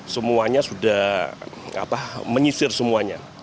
semuanya sudah menyisir semuanya